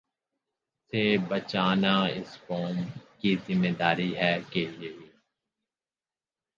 سے بچانا اس قوم کی ذمہ داری ہے کہ یہی